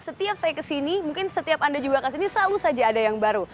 setiap saya kesini mungkin setiap anda juga kesini selalu saja ada yang baru